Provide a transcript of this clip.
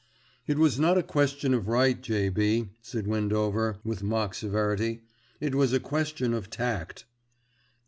"It was not a question of right, J.B.," said Windover, with mock severity. "It was a question of tact."